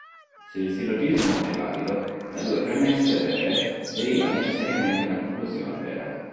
Se il sillogismo è valido, da due premesse vere deriva necessariamente una conclusione vera.